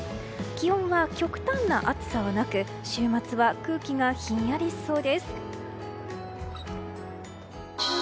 気温は極端な暑さはなく週末は空気がひんやりしそうです。